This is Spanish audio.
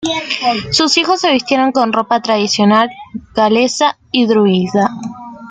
Sus hijos se vistieron con ropa tradicional galesa y druida.